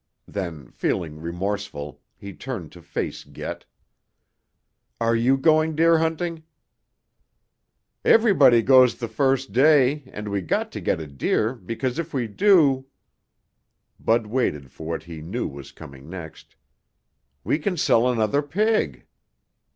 Then, feeling remorseful, he turned to face Get. "Are you going deer hunting?" "Everybody goes the first day and we got to get a deer because if we do" Bud waited for what he knew was coming next "we can sell another pig."